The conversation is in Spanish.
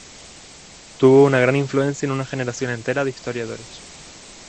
Tuvo una gran influencia en una generación entera de historiadores.